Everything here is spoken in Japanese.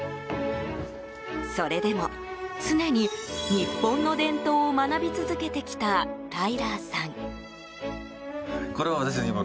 それでも、常に日本の伝統を学び続けてきたタイラーさん。